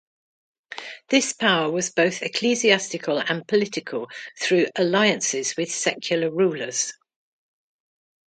This power was both ecclesiastical and political through alliances with secular rulers.